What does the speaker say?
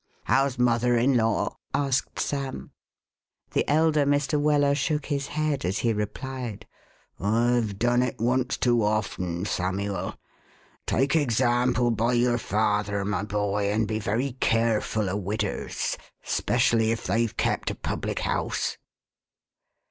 "How's mother in law?" asked Sam. The elder Mr. Weller shook his head as he replied, "I've done it once too often, Samivel. Take example by your father, my boy, and be very careful o' widders, 'specially if they've kept a public house."